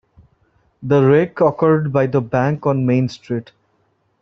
The wreck occurred by the bank on Main Street.